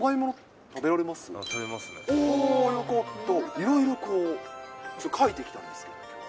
いろいろこう、書いてきたんですけど、きょう。